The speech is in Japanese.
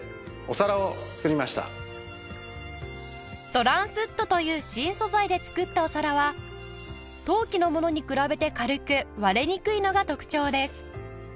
トランスウッドという新素材で作ったお皿は陶器のものに比べて軽く割れにくいのが特徴です